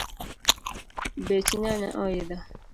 Bech nyanya oidho